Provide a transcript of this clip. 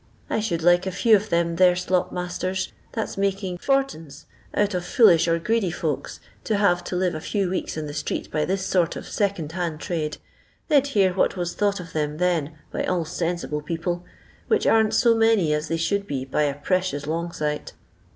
I should like a few of them there slop masters, that's making fortins out of foolish or greedy folks, to have to live a few weeks jn the streets by this sort of second hand trade ; they 'd hear what was thought of them then by all sensible people, which aren t so many as they should be by a precious lonff sight."